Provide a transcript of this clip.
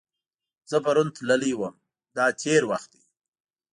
زه پرون تللی وم – دا تېر وخت دی.